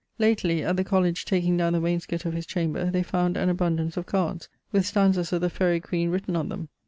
Lately, at the College takeing downe the wainscot of his chamber, they found an abundance of cards, with stanzas of the 'Faerie Queen' written on them.